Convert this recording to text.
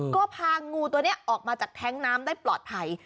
ก็พางูตัวนี้ออกมาจากแท้งน้ำได้ปลอดภัย